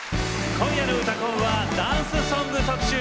今夜の「うたコン」はダンスソング特集。